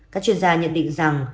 các chuyên gia nhận định rằng